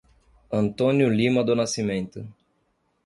Antônio Lima do Nascimento